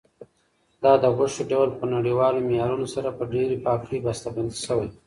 دا د غوښې ډول په نړیوالو معیارونو سره په ډېرې پاکۍ بسته بندي شوی.